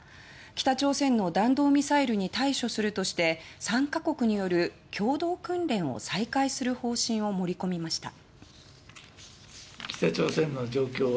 北朝鮮の弾道ミサイルに対処するとして３か国による共同訓練を再開する方針を盛り込みました。